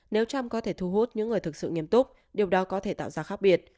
nếu trump có thể thu hút những người thực sự nghiêm túc điều đó có thể tạo ra khác biệt